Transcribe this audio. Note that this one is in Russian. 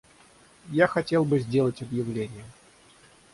Я хотел бы сделать объявление.